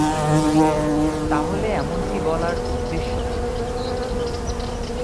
তাহলে এমনটি বলার উদ্দেশ্য কী?